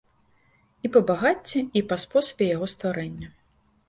І па багацці, і па спосабе яго стварэння.